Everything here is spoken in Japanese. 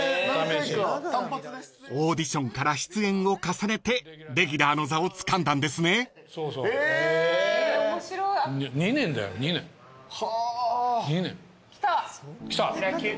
［オーディションから出演を重ねてレギュラーの座をつかんだんですね］来た。